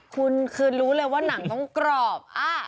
คุณคือรู้เลยว่าหนังต้องกรอบ